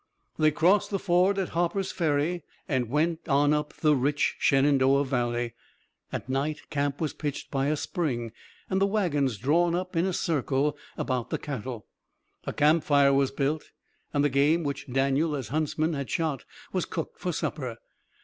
They crossed the ford at Harper's Ferry and went on up the rich Shenandoah Valley. At night camp was pitched by a spring and the wagons drawn up in a circle about the cattle. A camp fire was built and the game which Daniel as huntsman had shot was cooked for supper.